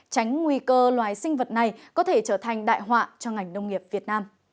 tránh nguy cơ loài sinh vật này có thể trở thành đại họa cho ngành nông nghiệp việt nam